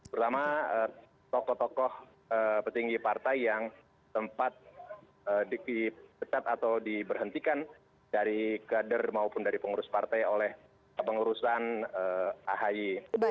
pertama tokoh tokoh petinggi partai yang tempat dipecat atau diberhentikan dari kader maupun dari pengurus partai oleh kepengurusan ahi